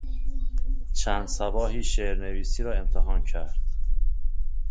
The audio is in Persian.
چند صباحی شعرنویسی را امتحان کرد.